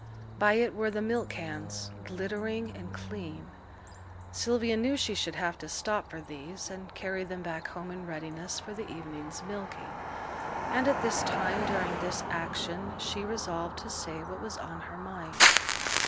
By it were the milk cans, glittering and clean. Sylvia knew she should have to stop for these, and carry them back home in readiness for the evening's milking; and at this time, during this action, she resolved to say what was on her mind.